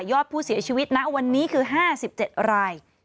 อดผู้เสียชีวิตนะวันนี้คือ๕๗ราย